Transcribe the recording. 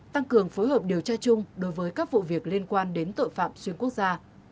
tăng cường phối hợp điều tra chung đối với các vụ việc liên quan đến tội phạm xuyên quốc gia